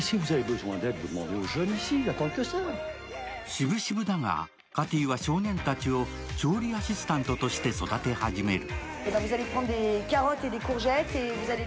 渋々だがカティは少年たちを調理アシスタントとして育て始める。